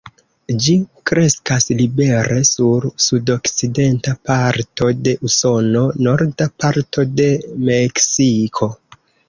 Ĝi kreskas libere sur sudokcidenta parto de Usono, norda parto de Meksiko.